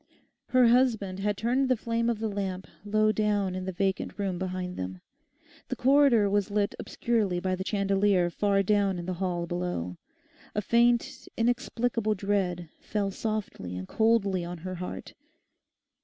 Her husband had turned the flame of the lamp low down in the vacant room behind them; the corridor was lit obscurely by the chandelier far down in the hall below. A faint, inexplicable dread fell softly and coldly on her heart.